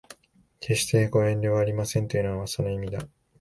決してご遠慮はありませんというのはその意味だ